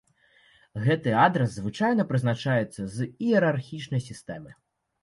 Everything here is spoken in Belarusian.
Гэты адрас звычайна прызначаецца з іерархічнай сістэмы.